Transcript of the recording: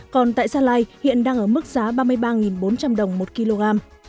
còn tại gia lai hiện đang ở mức giá ba mươi ba bốn trăm linh đồng một kg